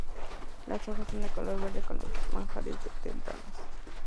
Las hojas son de color verde con los márgenes dentados.